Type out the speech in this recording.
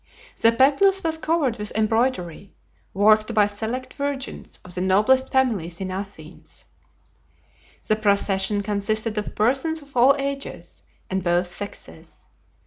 The Peplus was covered with embroidery, worked by select virgins of the noblest families in Athens. The procession consisted of persons of all ages and both sexes.